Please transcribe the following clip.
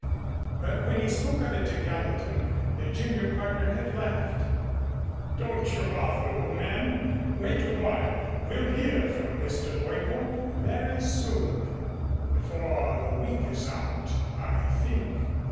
But when he spoke of it to Gallatin, the junior partner had laughed. "Don't you bother, old man. Wait a while. We'll hear from Mr. Leuppold very soon before the week is out, I think."